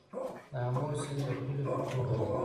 د امو سیند د پولې په توګه دی